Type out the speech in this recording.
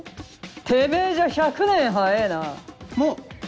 てめぇじゃ１００年早えぇな。